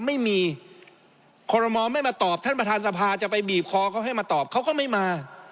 ไม่มีคอรมอลไม่มาตอบท่านประธานสภาจะไปบีบคอเขาให้มาตอบเขาก็ไม่มา